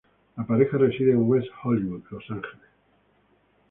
La pareja reside en West Hollywood, Los Ángeles.